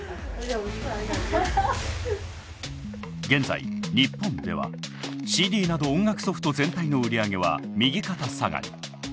現在日本ではＣＤなど音楽ソフト全体の売り上げは右肩下がり。